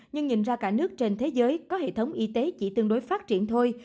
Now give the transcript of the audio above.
nhưng nhìn ra cả nước trên thế giới có hệ thống y tế chỉ tương đối phát triển thôi